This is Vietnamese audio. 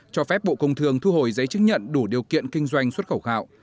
cho phép bộ công thương thu hồi giấy chứng nhận đủ điều kiện kinh doanh xuất khẩu gạo